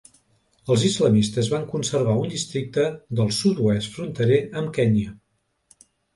Els islamistes van conservar un districte del sud-oest fronterer amb Kenya.